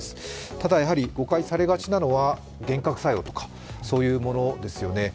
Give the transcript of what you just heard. ただやはり誤解されがちなのは幻覚作用とか、そういうものですよね。